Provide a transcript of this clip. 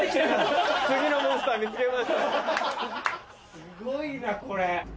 すごいなこれ。